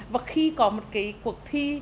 và khi có một cuộc thi